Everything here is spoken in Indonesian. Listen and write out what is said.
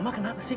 ma kenapa sih